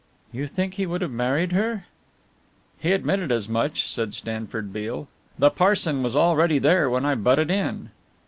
"You think he would have married her?" "He admitted as much," said Stanford Beale, "the parson was already there when I butted in."